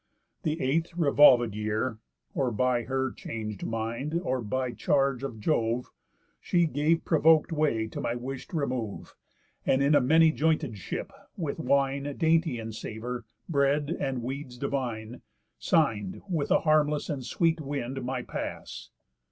The eighth revolvéd year (Or by her chang'd mind, or by charge of Jove) She gave provok'd way to my wish'd remove, And in a many jointed ship, with wine Dainty in savour, bread, and weeds divine, Sign'd, with a harmless and sweet wind, my pass.